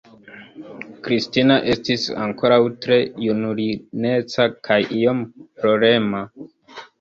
Kristina estis ankoraŭ tre junulineca kaj iom plorema.